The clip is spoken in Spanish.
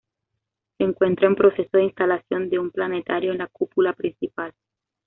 Se encuentra en proceso de instalación de un planetario en la cúpula principal.